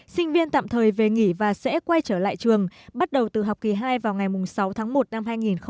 sinh viên tạm thời về nghỉ và sẽ quay trở lại trường bắt đầu từ học kỳ hai vào ngày sáu tháng một năm hai nghìn hai mươi